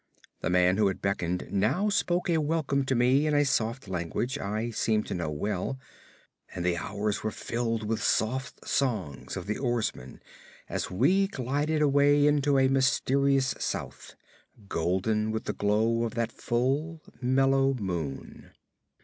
The man who had beckoned now spoke a welcome to me in a soft language I seemed to know well, and the hours were filled with soft songs of the oarsmen as we glided away into a mysterious South, golden with the glow of that full, mellow moon.